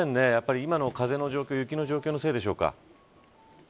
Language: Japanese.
今の風の状況のせいでしょうか。